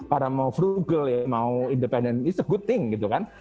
orang mau frugal mau independen itu hal yang bagus